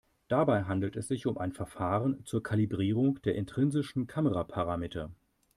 Dabei handelt es sich um ein Verfahren zur Kalibrierung der intrinsischen Kameraparameter.